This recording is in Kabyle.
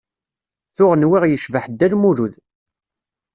Tuɣ nwiɣ yecbeḥ Dda Lmulud.